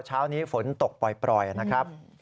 เช้านี้ฝนตกปล่อยนะครับ